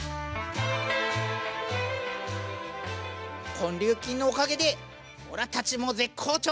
根粒菌のおかげでオラたちも絶好調だな！